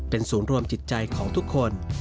เป็นศูนย์รวมจิตใจของทุกคน